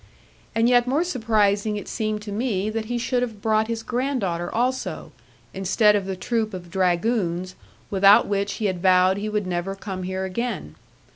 And yet more surprising it seemed to me that he should have brought his granddaughter also, instead of the troop of dragoons, without which he had vowed he would never come here again.